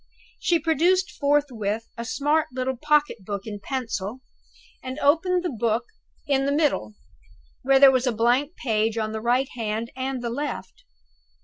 She produced forthwith a smart little pocket book and pencil, and opened the book in the middle, where there was a blank page on the right hand and the left.